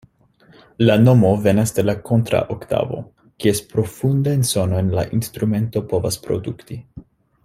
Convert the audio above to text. La nomo venas de la kontra-oktavo, kies profundajn sonojn la instrumento povas produkti.